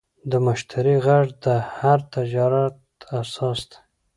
د مشتری غږ د هر تجارت اساس دی.